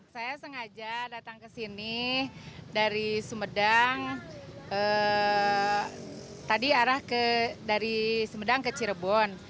saya sengaja datang ke sini dari sumedang ke cirebon